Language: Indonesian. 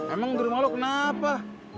emang di rumah lo kenapa